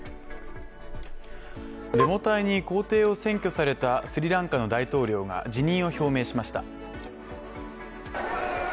デモ隊に公邸を占拠されたスリランカの大統領が辞任を表明しました。